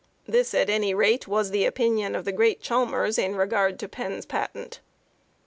This, at any rate, was the opinion of the great Chalmers in regard to Penn's patent.